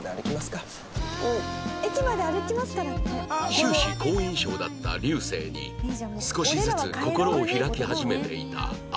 終始好印象だった流星に少しずつ心を開き始めていた葵